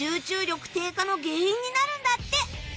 の原因になるんだって。